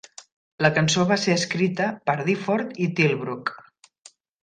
La cançó va ser escrita per Difford i Tilbrook.